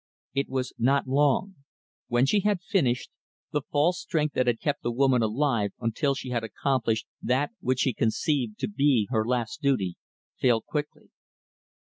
It was not long. When she had finished, the false strength that had kept the woman alive until she had accomplished that which she conceived to be her last duty, failed quickly.